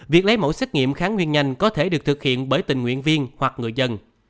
việc lấy mẫu xét nghiệm kháng nguyên nhanh có thể được thực hiện bởi tình nguyện viên hoặc người dân